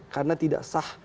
karena tidak sah